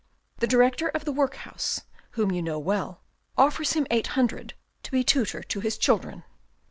The director of the workhouse, whom you know well, offers him eight hundred to be tutor to his children.